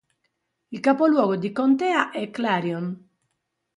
Il capoluogo di contea è Clarion.